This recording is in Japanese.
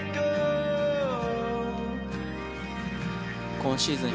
今シーズン